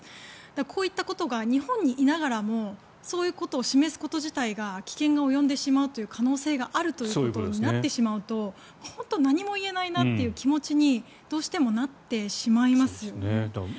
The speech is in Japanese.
こういったことが日本にいながらもそういうことを示すこと自体が危険が及んでしまうという可能性があるということになってしまうと本当に何も言えないなという気持ちにどうしてもなってしまいますね。